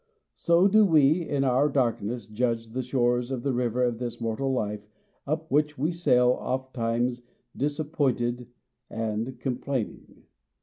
So do we, in our darkness, judge the shores of the river of this mortal life up which we sail, ofttimes disappointed and complaining.